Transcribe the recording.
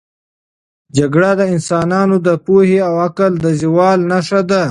جګړه د انسانانو د پوهې او عقل د زوال نښه ده.